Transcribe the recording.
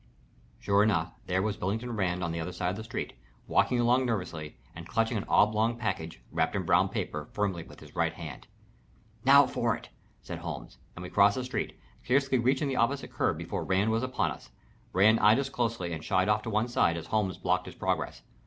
Sure enough, there was Billington Rand on the other side of the street, walking along nervously and clutching an oblong package, wrapped in brown paper, firmly in his right hand. "Now for it," said Holmes, and we crossed the street, scarcely reaching the opposite curb before Rand was upon us. Rand eyed us closely and shied off to one side as Holmes blocked his progress.